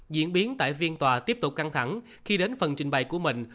diễn biến tại phiên tòa tiếp tục căng thẳng khi đến phần trình bày của mình